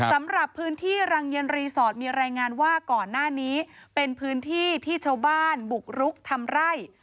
สำหรับพื้นที่รังเย็นรีสอร์ทมีรายงานว่าก่อนหน้านี้เป็นพื้นที่ที่ชาวบ้านบุกรุกทำไร่